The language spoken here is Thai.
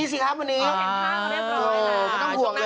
นี่สิครับวันนี้ที่เราเห็นพวกก็ได้บร้อยล่ะ